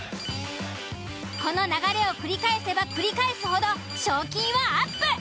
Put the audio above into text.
この流れを繰り返せば繰り返すほど賞金はアップ。